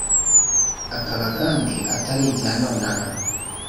akaba kandi atari ibya none aha.